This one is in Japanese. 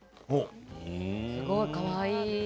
すごい、かわいい。